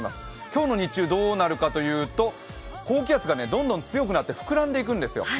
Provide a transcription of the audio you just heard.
今日の日中どうなるかというと高気圧がどんどん強くなって膨らんでいくんですよ。